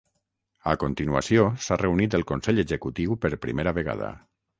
A continuació, s’ha reunit el consell executiu per primera vegada.